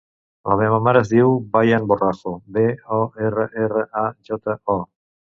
La meva mare es diu Bayan Borrajo: be, o, erra, erra, a, jota, o.